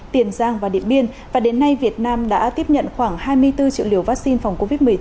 tiền giang và điện biên và đến nay việt nam đã tiếp nhận khoảng hai mươi bốn triệu liều vaccine phòng covid một mươi chín